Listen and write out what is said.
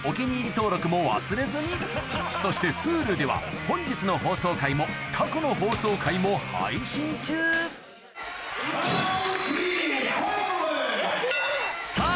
登録も忘れずにそしてＨｕｌｕでは本日の放送回も過去の放送回も配信中さぁ